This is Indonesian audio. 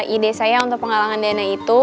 ide saya untuk penggalangan dana itu